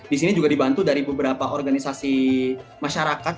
di sini juga dibantu dari beberapa organisasi masyarakat